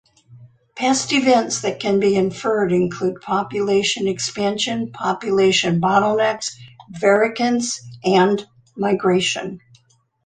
Past events that can be inferred include population expansion, population bottlenecks, vicariance and migration.